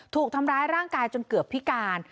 ถูกทำร้ายร่างกายจนเกือบพิการ